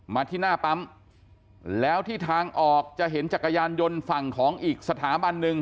มาที่หน้าปั๊มแล้วที่ทางออกจะเห็นจักรยานยนต์ฝั่งของอีกสถาบันหนึ่ง